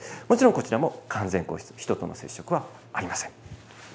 もちろんこちらも完全個室、人との接触はありません。